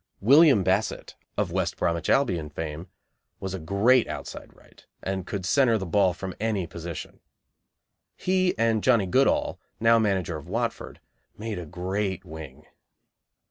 William Bassett, of West Bromwich Albion fame, was a great outside right, and could centre the ball from any position. He and Johnnie Goodall, now manager of Watford, made a great wing.